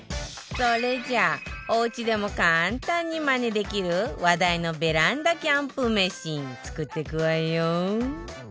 それじゃあおうちでも簡単にまねできる話題のベランダキャンプ飯作ってくわよ